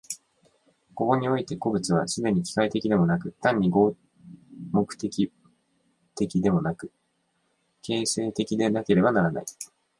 ここにおいて個物は既に機械的でもなく、単に合目的的でもなく、形成的でなければならない。